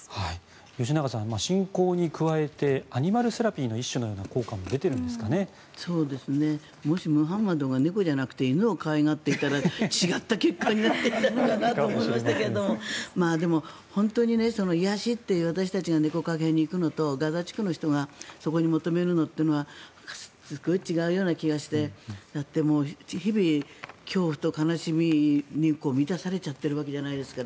吉永さん、信仰に加えてアニマルセラピーのような効果ももしムハンマドが猫じゃなくて犬を可愛がっていたら違った結果になったのかなと思いましたけどでも、本当に癒やしという私たちが猫カフェに行くのとガザ地区の人がそこに求めるものはすごい違うような気がしてだって、日々恐怖と悲しみに満たされてしまっているわけじゃないですか。